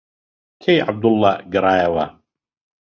کەی عەبدوڵڵا گەڕایەوە؟